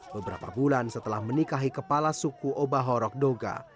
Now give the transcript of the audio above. beberapa bulan setelah menikahi kepala suku obahorokboga